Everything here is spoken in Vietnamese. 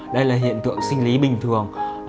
đây là hiện tượng sinh lý bình thường